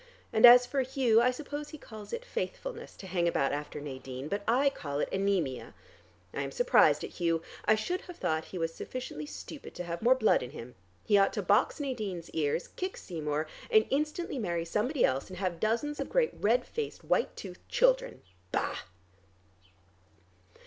And as for Hugh, I suppose he calls it faithfulness to hang about after Nadine, but I call it anemia. I am surprised at Hugh; I should have thought he was sufficiently stupid to have more blood in him. He ought to box Nadine's ears, kick Seymour and instantly marry somebody else, and have dozens of great red faced, white toothed children. Bah!"